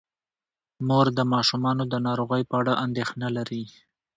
مور د ماشومانو د ناروغۍ په اړه اندیښنه لري.